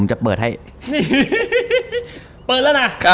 อเจมส์แน่